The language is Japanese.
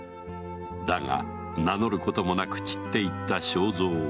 だが名乗ることもなく散っていった庄三。